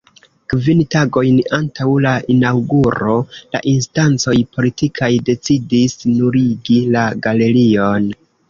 Kvin tagojn antaŭ la inaŭguro la instancoj politikaj decidis nuligi la galerion.